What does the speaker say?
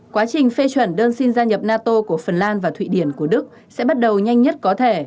quá trình phê chuẩn đơn xin gia nhập nato của phần lan và thụy điển của đức sẽ bắt đầu nhanh nhất có thể